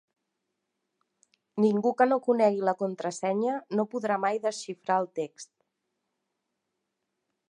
Ningú que no conegui la contrasenya no podrà mai desxifrar el text.